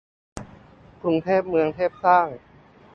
กรุงเทพเมืองเทพสร้าง